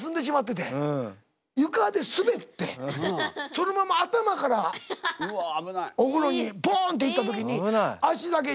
床で滑ってそのまま頭からお風呂にボンって行った時に脚だけ２本出て。